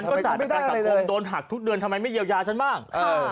ก็จ่ายประกันสังคมโดนหักทุกเดือนทำไมไม่เยียวยาฉันบ้าง